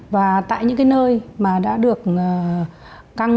và tại những nơi mà đã được căng